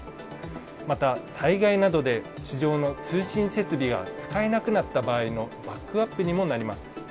また、災害などで地上の通信設備が使えなくなった場合のバックアップにもなります。